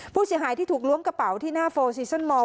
ผู้เสียหายที่ถูกล้วงกระเป๋าที่หน้าโฟลซีซั่นมอล